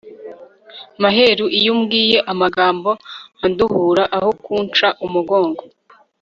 maheru iyo umbwiye amagambo anduhura aho kunsha umugongo